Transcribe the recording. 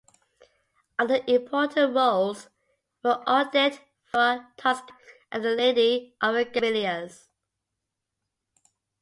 Other important roles were Odette, Fedora, Tosca and the Lady of the Camellias.